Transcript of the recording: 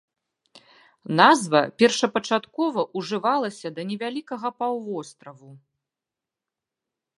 Назва першапачаткова ўжывалася да невялікага паўвостраву.